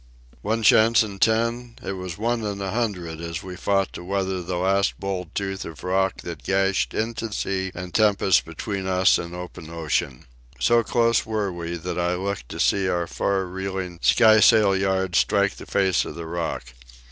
One chance in ten? It was one in a hundred as we fought to weather the last bold tooth of rock that gashed into sea and tempest between us and open ocean. So close were we that I looked to see our far reeling skysail yards strike the face of the rock.